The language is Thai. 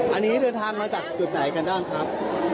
อันนี้เดินทางมาจากจุดไหนกันบ้างครับ